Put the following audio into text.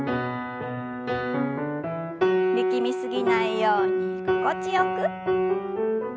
力み過ぎないように心地よく。